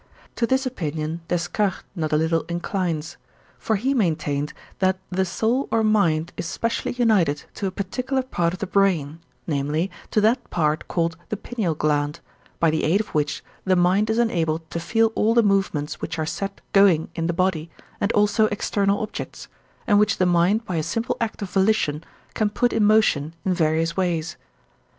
To this opinion Descartes not a little inclines. For he maintained, that the soul or mind is specially united to a particular part of the brain, namely, to that part called the pineal gland, by the aid of which the mind is enabled to feel all the movements which are set going in the body, and also external objects, and which the mind by a simple act of volition can put in motion in various ways.